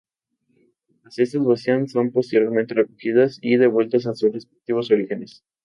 Las cestas vacías son posteriormente recogidas y devueltas a sus respectivos orígenes.